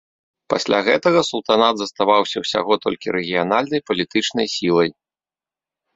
Пасля гэтага султанат заставаўся ўсяго толькі рэгіянальнай палітычнай сілай.